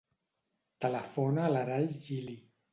Telefona a l'Aray Gili.